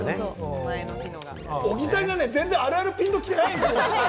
小木さんがね、全然あるあるピンと来てないですよ。